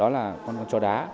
là con chó đá